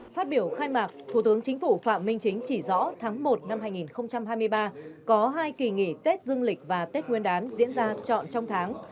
phát biểu khai mạc thủ tướng chính phủ phạm minh chính chỉ rõ tháng một năm hai nghìn hai mươi ba có hai kỳ nghỉ tết dương lịch và tết nguyên đán diễn ra trọn trong tháng